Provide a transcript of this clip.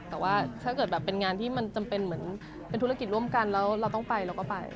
แต่ว่าถ้าเกิดแบบเป็นงานที่มันจำเป็นเหมือนเป็นธุรกิจร่วมกันแล้วเราต้องไปเราก็ไป